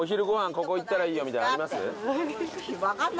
ここ行ったらいいよみたいのあります？